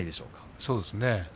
そうですね。